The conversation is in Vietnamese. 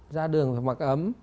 ra đường phải mặc ấm